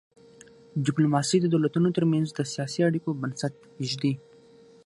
ډیپلوماسي د دولتونو ترمنځ د سیاسي اړیکو بنسټ ایږدي.